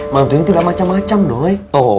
mantu yang tidak macem macem doi